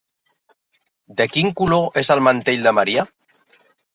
De quin color és el mantell de Maria?